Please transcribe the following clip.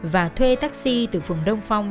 và thuê taxi từ phường đông phong